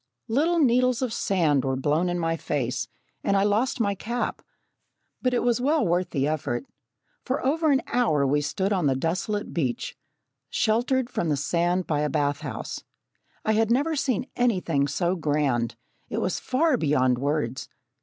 Little needles of sand were blown in my face, and I lost my cap, but it was well worth the effort. For over an hour we stood on the desolate beach, sheltered from the sand by a bath house. I had never seen anything so grand it was far beyond words.